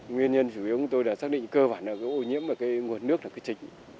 nguyên nhân chủ yếu của tôi là xác định cơ bản là cái nguồn nước là cái trịch